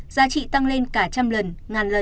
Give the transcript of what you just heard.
giá trị tăng lên cả trăm lần ngàn lần